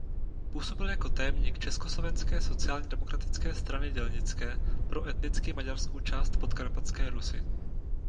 Působil jako tajemník Československé sociálně demokratické strany dělnické pro etnicky maďarskou část Podkarpatské Rusi.